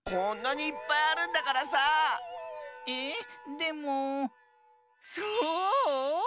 でもそう？